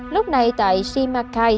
lúc này tại simacai